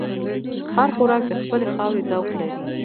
هر خوراک د خپلې خاورې ذوق لري.